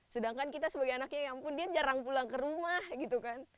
sedangkan kita sebagai anaknya ya ampun dia jarang pulang ke rumah gitu kan